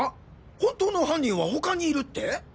本当の犯人は他にいるって？